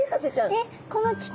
えっ？